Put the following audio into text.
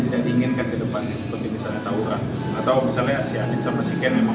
tidak diinginkan ke depannya seperti misalnya taura atau misalnya si adit sama si ken memang